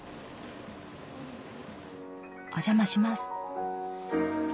お邪魔します。